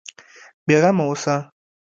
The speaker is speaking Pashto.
بېغمه اوسه.